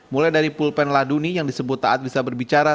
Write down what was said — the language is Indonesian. mulai dari pulpen laduni yang disebut taat bisa berbicara